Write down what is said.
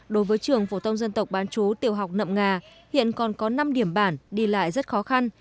đối với trường phổ thông dân tộc bán chú tiểu học nậm ngà hiện còn có năm điểm bản đi lại rất khó khăn